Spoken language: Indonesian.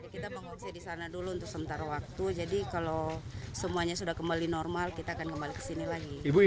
di sini kehidupan kita mata pencarian kita di sini semua